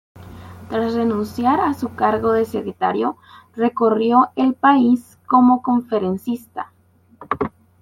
Tras renunciar a su cargo de Secretario recorrió el país como conferencista.